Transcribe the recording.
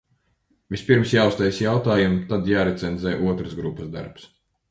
Vispirms jāuztaisa jautājumi, tad jārecenzē otras grupas darbs.